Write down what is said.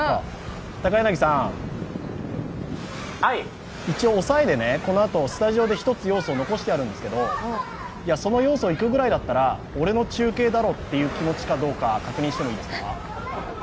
高柳さん、一応、押さえでね、スタジオで１つ要素残しているんですけどその要素いくぐらいだったら俺の中継だろっていう気持ちかどうか確認してもいいですか？